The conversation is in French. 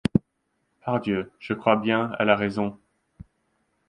Par Dieu, je crois bien, elle a raison !